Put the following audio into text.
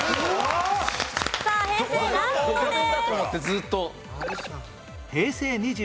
さあ平成ラストです。